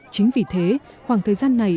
chính vì thế khoảng thời gian này